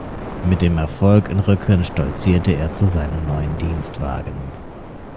Mit dem Erfolg im Rücken stolzierte er zu seinem neuen Dienstwagen.